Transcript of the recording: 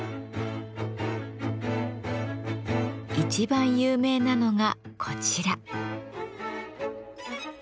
一番有名なのがこちら。